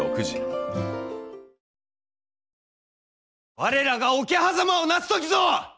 我らが桶狭間をなす時ぞ！